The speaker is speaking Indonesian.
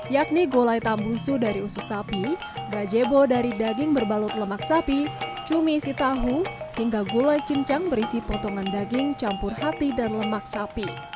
yakni gulai tambusu dari usus sapi gajebo dari daging berbalut lemak sapi cumi isi tahu hingga gulai cincang berisi potongan daging campur hati dan lemak sapi